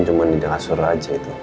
cuma di ngasur aja itu